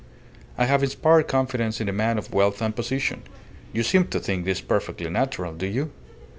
I have inspired confidence in a man of wealth and position. You seem to think this perfectly natural do you?